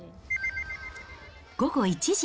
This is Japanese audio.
午後１時。